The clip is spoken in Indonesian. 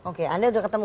oke anda sudah ketemu